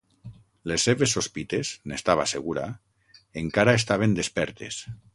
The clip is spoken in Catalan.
Les seves sospites, n'estava segura, encara estaven despertes.